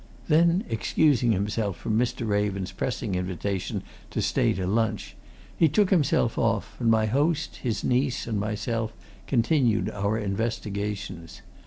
Then, excusing himself from Mr. Raven's pressing invitation to stay to lunch, he took himself off, and my host, his niece, and myself continued our investigations.